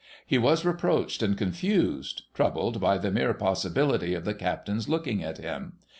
He was reproached and confused, — troubled by the mere possibility of the captain's looking at him.